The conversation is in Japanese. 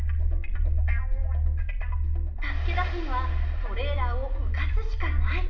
助け出すにはトレーラーを浮かすしかない。